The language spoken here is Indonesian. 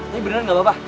tidi beneran gak apapah